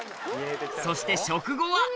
そして食後は何？